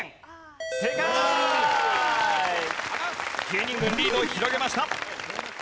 芸人軍リードを広げました。